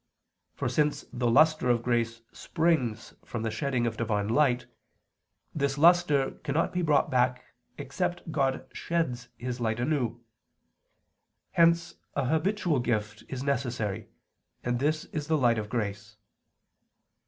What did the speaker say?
For since the lustre of grace springs from the shedding of Divine light, this lustre cannot be brought back, except God sheds His light anew: hence a habitual gift is necessary, and this is the light of grace.